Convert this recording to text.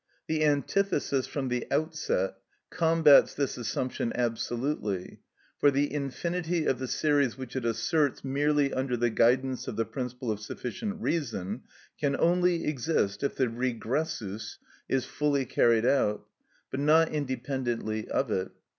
The antithesis from the outset combats this assumption absolutely; for the infinity of the series which it asserts merely under the guidance of the principle of sufficient reason can only exist if the regressus is fully carried out, but not independently of it.